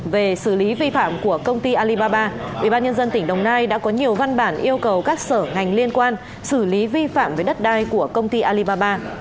về xử lý vi phạm của công ty alibaba ubnd tỉnh đồng nai đã có nhiều văn bản yêu cầu các sở ngành liên quan xử lý vi phạm với đất đai của công ty alibaba